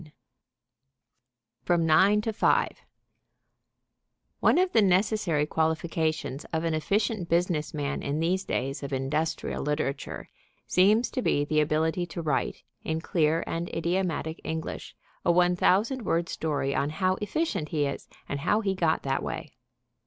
IX FROM NINE TO FIVE One of the necessary qualifications of an efficient business man in these days of industrial literature seems to be the ability to write, in clear and idiomatic English, a 1,000 word story on how efficient he is and how he got that way.